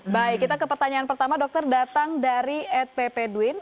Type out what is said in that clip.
baik kita ke pertanyaan pertama dokter datang dari edp pedwin